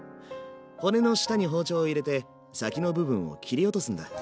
骨の下に包丁を入れて先の部分を切り落とすんだ。